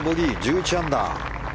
１１アンダー。